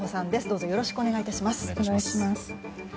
どうぞよろしくお願い致します。